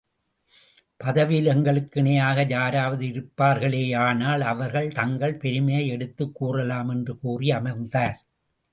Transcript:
பதவியில் எங்களுக்கு இணையாக யாராவது இருப்பார்களேயானால், அவர்கள் தங்கள் பெருமையை எடுத்துக் கூறலாம். என்று கூறி அமர்ந்தார்.